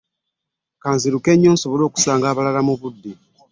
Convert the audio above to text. Kanziruke nnyo nsobole okusanga abalala mu budde.